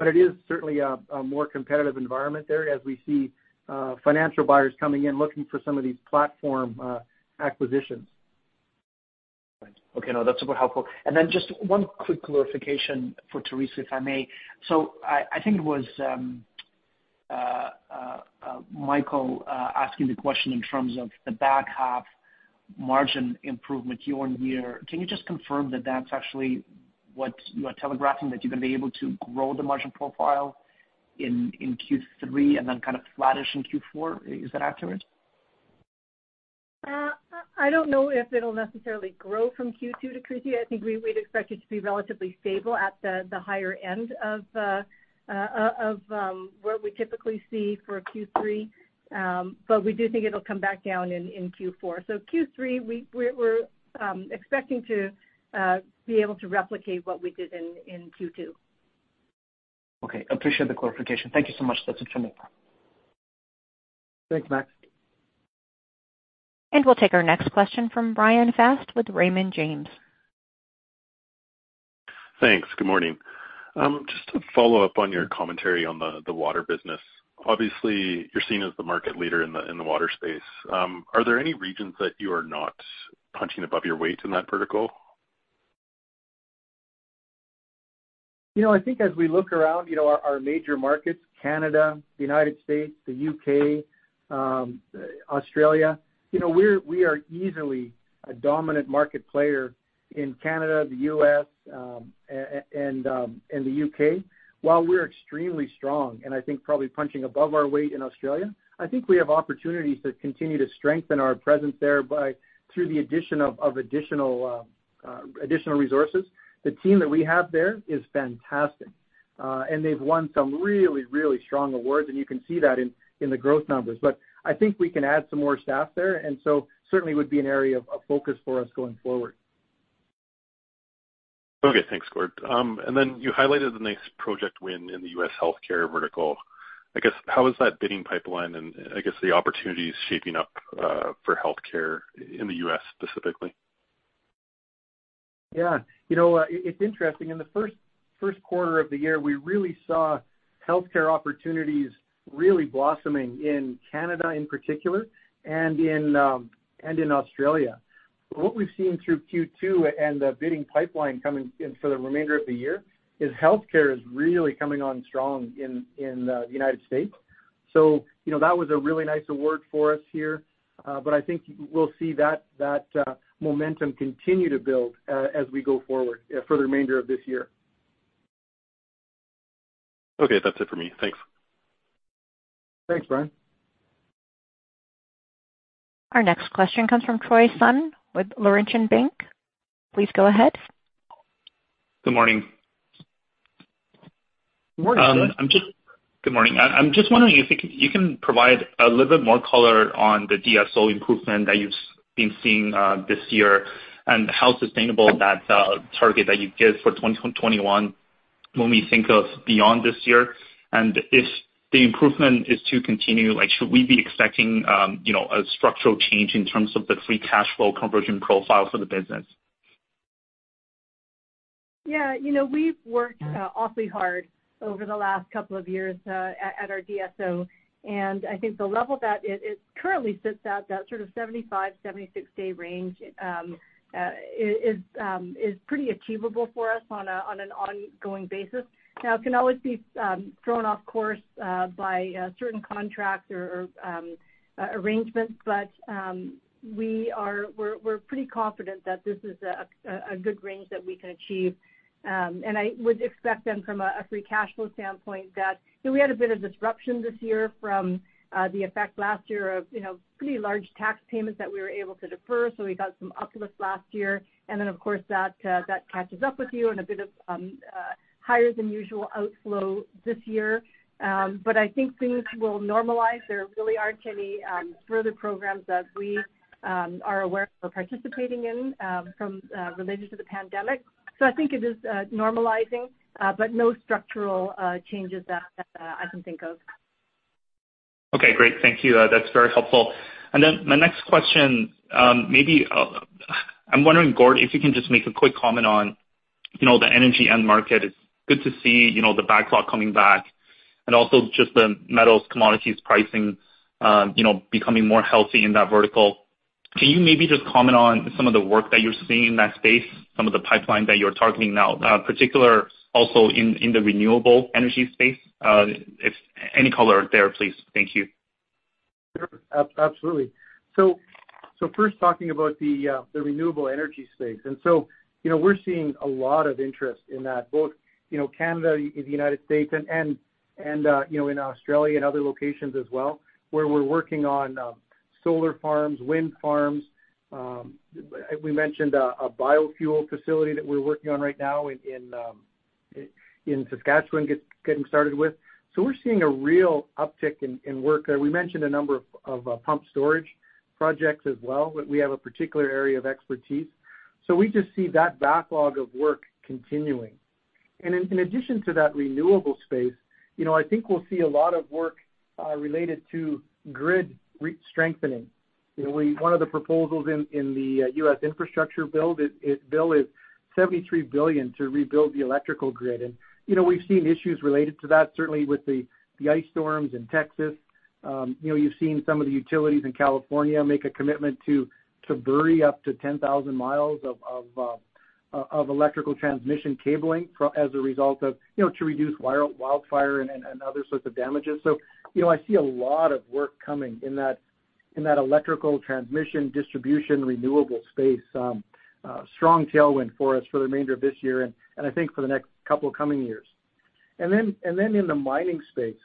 It is certainly a more competitive environment there as we see financial buyers coming in looking for some of these platform acquisitions.
Right. Okay. No, that's super helpful. Just one quick clarification for Theresa, if I may. I think it was Michael asking the question in terms of the back half margin improvement year-on-year. Can you just confirm that that's actually what you are telegraphing, that you're going to be able to grow the margin profile in Q3 and then kind of flattish in Q4? Is that accurate?
I don't know if it'll necessarily grow from Q2 to Q3. I think we'd expect it to be relatively stable at the higher end of where we typically see for Q3. We do think it'll come back down in Q4. Q3, we're expecting to be able to replicate what we did in Q2.
Okay. Appreciate the clarification. Thank you so much. That's it for me.
Thanks, Max.
We'll take our next question from Brian Fast with Raymond James.
Thanks. Good morning. Just to follow up on your commentary on the water business, obviously you're seen as the market leader in the water space. Are there any regions that you are not punching above your weight in that vertical?
I think as we look around our major markets, Canada, the United States, the U.K., Australia, we are easily a dominant market player in Canada, the U.S., and the U.K. While we're extremely strong, and I think probably punching above our weight in Australia, I think we have opportunities to continue to strengthen our presence there through the addition of additional resources. The team that we have there is fantastic. They've won some really, really strong awards, and you can see that in the growth numbers. I think we can add some more staff there. Certainly would be an area of focus for us going forward.
Okay. Thanks, Gord. You highlighted the nice project win in the U.S. healthcare vertical. I guess how is that bidding pipeline and I guess the opportunities shaping up for healthcare in the U.S. specifically?
Yeah. It's interesting. In the first quarter of the year, we really saw healthcare opportunities really blossoming in Canada in particular and in Australia. What we've seen through Q2 and the bidding pipeline coming in for the remainder of the year is healthcare is really coming on strong in the United States. That was a really nice award for us here. I think we'll see that momentum continue to build as we go forward for the remainder of this year.
Okay. That's it for me. Thanks.
Thanks, Brian.
Our next question comes from Troy Sun with Laurentian Bank. Please go ahead.
Good morning.
Morning, Troy.
Good morning. I'm just wondering if you can provide a little bit more color on the DSO improvement that you've been seeing this year and how sustainable that target that you give for 2021 when we think of beyond this year. If the improvement is to continue, should we be expecting a structural change in terms of the free cash flow conversion profile for the business?
Yeah. We've worked awfully hard over the last couple of years at our DSO, and I think the level that it currently sits at, that sort of 75, 76-day range, is pretty achievable for us on an ongoing basis. It can always be thrown off course by certain contracts or arrangements, but we're pretty confident that this is a good range that we can achieve. I would expect then from a free cash flow standpoint that we had a bit of disruption this year from the effect last year of pretty large tax payments that we were able to defer. We got some uplift last year. Then, of course, that catches up with you and a bit of higher than usual outflow this year. I think things will normalize. There really aren't any further programs that we are aware of or participating in related to the pandemic. I think it is normalizing, but no structural changes that I can think of.
Okay, great. Thank you. That's very helpful. My next question, I'm wondering, Gord, if you can just make a quick comment on the energy end market. It's good to see the backlog coming back and also just the metals commodities pricing becoming more healthy in that vertical. Can you maybe just comment on some of the work that you're seeing in that space, some of the pipeline that you're targeting now, particular also in the renewable energy space? If any color there, please. Thank you.
Sure. Absolutely. First, talking about the renewable energy space. We're seeing a lot of interest in that, both Canada, the U.S., and in Australia and other locations as well, where we're working on solar farms, wind farms. We mentioned a biofuel facility that we're working on right now in Saskatchewan, getting started with. We're seeing a real uptick in work there. We mentioned a number of pump storage projects as well, that we have a particular area of expertise. We just see that backlog of work continuing. In addition to that renewable space, I think we'll see a lot of work related to grid re-strengthening. One of the proposals in the U.S. infrastructure bill is 73 billion to rebuild the electrical grid. We've seen issues related to that, certainly with the ice storms in Texas. You've seen some of the utilities in California make a commitment to bury up to 10,000 miles of electrical transmission cabling as a result of, to reduce wildfire and other sorts of damages. I see a lot of work coming in that electrical transmission distribution renewable space. Strong tailwind for us for the remainder of this year and I think for the next couple coming years. In the mining space,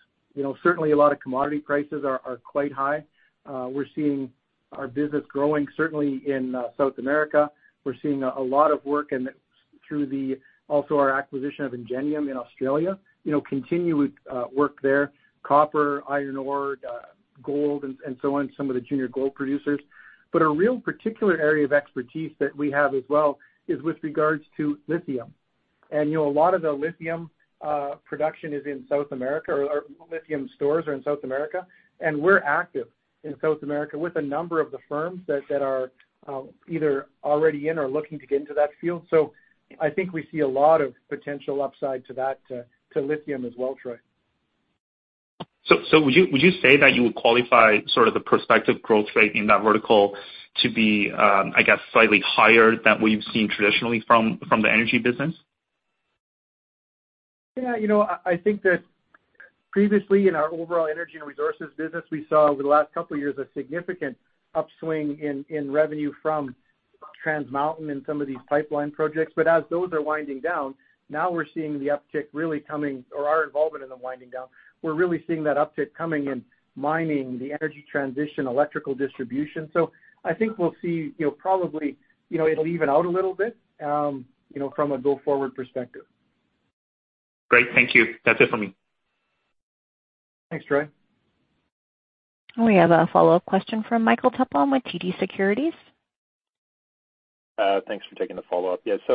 certainly a lot of commodity prices are quite high. We're seeing our business growing, certainly in South America. We're seeing a lot of work through also our acquisition of Engenium in Australia, continuing work there, copper, iron ore, gold, and so on, some of the junior gold producers. A real particular area of expertise that we have as well is with regards to lithium. A lot of the lithium production is in South America, or lithium stores are in South America, and we're active in South America with a number of the firms that are either already in or looking to get into that field. I think we see a lot of potential upside to that, to lithium as well, Troy.
Would you say that you would qualify sort of the prospective growth rate in that vertical to be, I guess, slightly higher than what you've seen traditionally from the energy business?
Yeah, I think that previously in our overall energy and resources business, we saw over the last couple of years a significant upswing in revenue from Trans Mountain and some of these pipeline projects. As those are winding down, now we're seeing the uptick really coming, or our involvement in them winding down. We're really seeing that uptick coming in mining, the energy transition, electrical distribution. I think we'll see probably it'll even out a little bit from a go-forward perspective.
Great. Thank you. That's it for me.
Thanks, Troy.
We have a follow-up question from Michael Tupholme with TD Securities.
Thanks for taking the follow-up. Just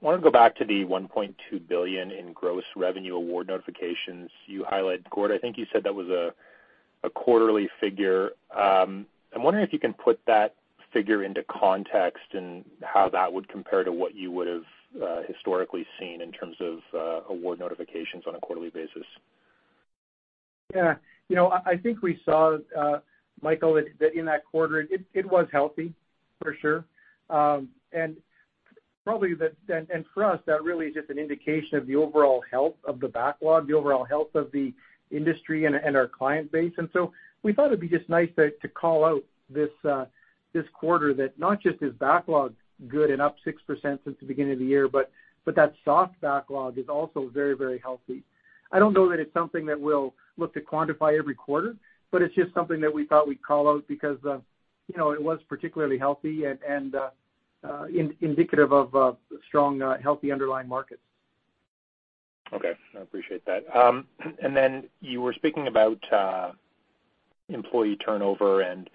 want to go back to the 1.2 billion in gross revenue award notifications you highlighted. Gord, I think you said that was a quarterly figure. I'm wondering if you can put that figure into context and how that would compare to what you would have historically seen in terms of award notifications on a quarterly basis.
Yeah. I think we saw, Michael, that in that quarter it was healthy, for sure. For us, that really is just an indication of the overall health of the backlog, the overall health of the industry and our client base. We thought it'd be just nice to call out this quarter that not just is backlog good and up 6% since the beginning of the year, but that soft backlog is also very healthy. I don't know that it's something that we'll look to quantify every quarter, but it's just something that we thought we'd call out because it was particularly healthy and indicative of strong, healthy underlying markets.
Okay. I appreciate that. Then you were speaking about employee turnover and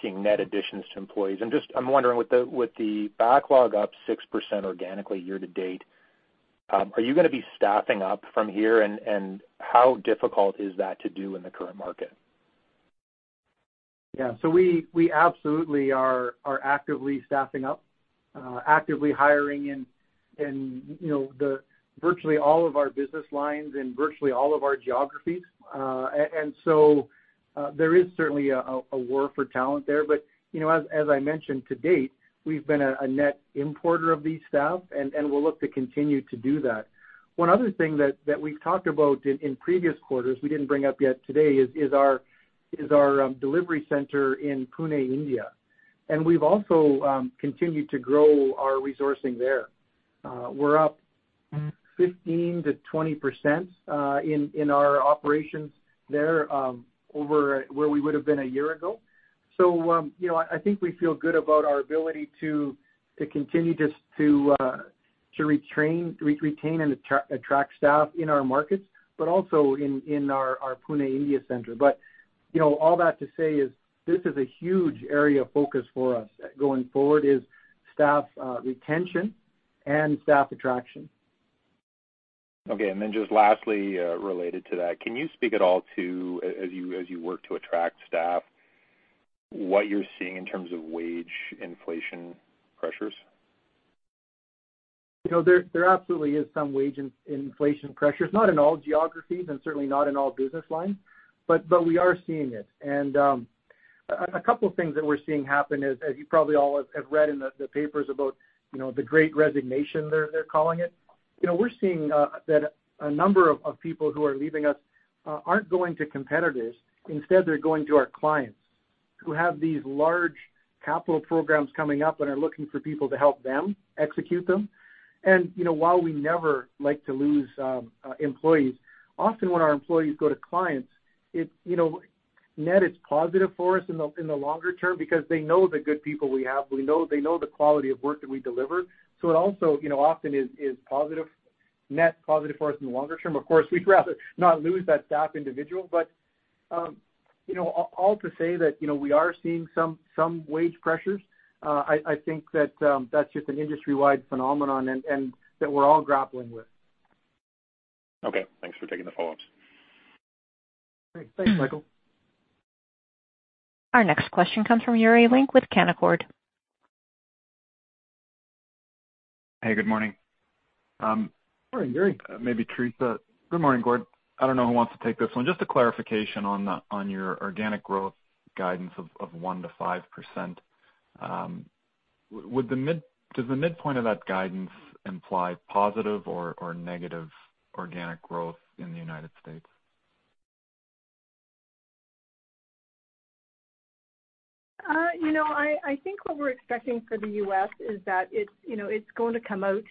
seeing net additions to employees. I'm wondering, with the backlog up 6% organically year to date, are you going to be staffing up from here? How difficult is that to do in the current market?
We absolutely are actively staffing up, actively hiring in virtually all of our business lines, in virtually all of our geographies. There is certainly a war for talent there. As I mentioned, to date, we've been a net importer of these staff, and we'll look to continue to do that. One other thing that we've talked about in previous quarters we didn't bring up yet today is our delivery center in Pune, India. We've also continued to grow our resourcing there. We're up 15%-20% in our operations there over where we would've been a year ago. I think we feel good about our ability to continue to retain and attract staff in our markets, but also in our Pune, India center. All that to say is this is a huge area of focus for us going forward is staff retention and staff attraction.
Just lastly, related to that, can you speak at all to, as you work to attract staff, what you're seeing in terms of wage inflation pressures?
There absolutely is some wage inflation pressures. Not in all geographies and certainly not in all business lines, but we are seeing it. A couple of things that we're seeing happen is, as you probably all have read in the papers about the Great Resignation they're calling it. We're seeing that a number of people who are leaving us aren't going to competitors. Instead, they're going to our clients who have these large capital programs coming up and are looking for people to help them execute them. While we never like to lose employees, often when our employees go to clients, net it's positive for us in the longer term because they know the good people we have. They know the quality of work that we deliver. It also often is net positive for us in the longer term. We'd rather not lose that staff individual, but all to say that we are seeing some wage pressures. I think that's just an industry-wide phenomenon and that we're all grappling with.
Okay. Thanks for taking the follow-ups.
Great. Thanks, Michael.
Our next question comes from Yuri Lynk with Canaccord.
Hey, good morning. Morning, Yuri. Maybe Theresa. Good morning, Gord. I don't know who wants to take this one. Just a clarification on your organic growth guidance of 1%-5%. Does the midpoint of that guidance imply positive or negative organic growth in the United States?
I think what we're expecting for the U.S. is that it's going to come out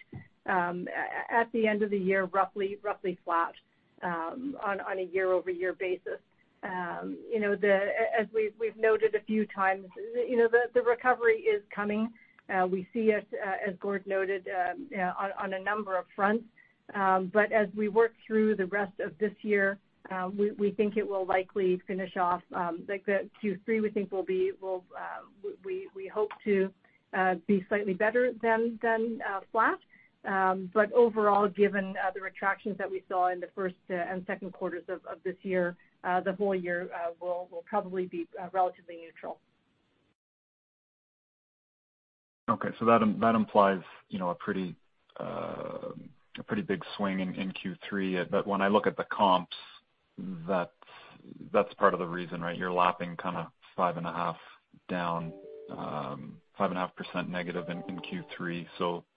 at the end of the year, roughly flat on a year-over-year basis. As we've noted a few times, the recovery is coming. We see it, as Gord noted, on a number of fronts. As we work through the rest of this year, we think it will likely finish off. Q3 we hope to be slightly better than flat. Overall, given the retractions that we saw in the first and second quarters of this year, the whole year will probably be relatively neutral.
Okay. That implies a pretty big swing in Q3. When I look at the comps, that's part of the reason, right? You're lapping kind of 5.5% negative in Q3.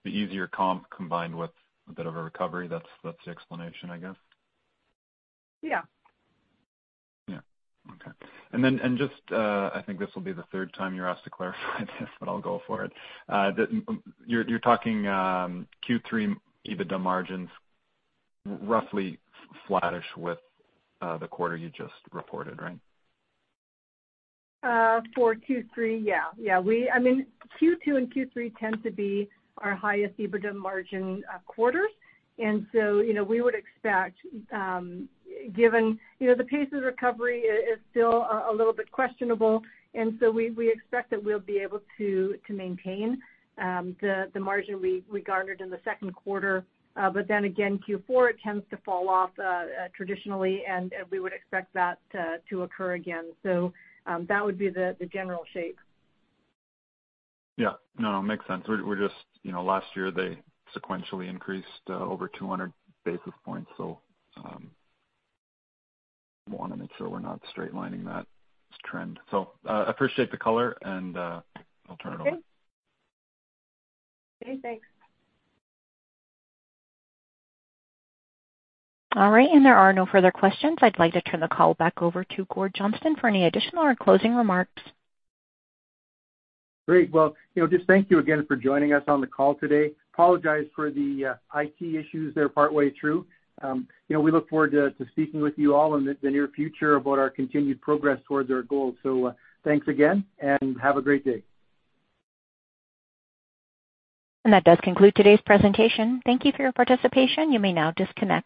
The easier comp combined with a bit of a recovery, that's the explanation, I guess.
Yeah.
Yeah. Okay. I think this will be the third time you're asked to clarify this, but I'll go for it. You're talking Q3 EBITDA margins roughly flattish with the quarter you just reported, right?
For Q3. Q2 and Q3 tend to be our highest EBITDA margin quarters. We would expect, given the pace of recovery is still a little bit questionable, and so we expect that we'll be able to maintain the margin we garnered in the second quarter. Q4, it tends to fall off traditionally, and we would expect that to occur again. That would be the general shape.
Yeah. No, makes sense. Last year they sequentially increased over 200 basis points, want to make sure we're not straight lining that trend. Appreciate the color and I'll turn it over.
Okay. Okay, thanks.
All right, there are no further questions. I'd like to turn the call back over to Gord Johnston for any additional or closing remarks.
Great. Well, just thank you again for joining us on the call today. We apologize for the IT issues there partway through. We look forward to speaking with you all in the near future about our continued progress towards our goals. Thanks again, and have a great day.
That does conclude today's presentation. Thank you for your participation. You may now disconnect.